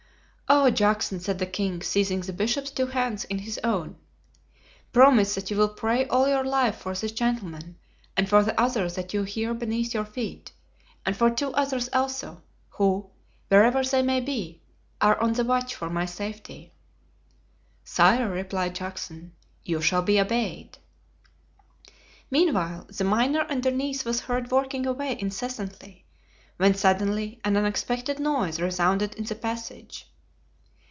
"Oh, Juxon," said the king, seizing the bishop's two hands in his own, "promise that you will pray all your life for this gentleman and for the other that you hear beneath your feet, and for two others also, who, wherever they may be, are on the watch for my safety." "Sire," replied Juxon, "you shall be obeyed." Meanwhile, the miner underneath was heard working away incessantly, when suddenly an unexpected noise resounded in the passage.